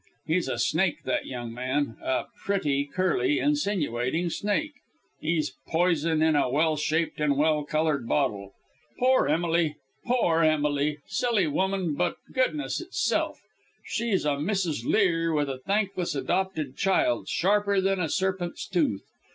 He's a snake that young man, a pretty, curly, insinuating snake; he's poison in a well shaped and well coloured bottle. Poor Emily! poor Emily! silly woman, but goodness itself. She's a Mrs. Lear with a thankless adopted child, sharper than a serpent's tooth.